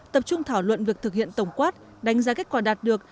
tập trung thảo luận việc thực hiện tổng quát đánh giá kết quả đạt được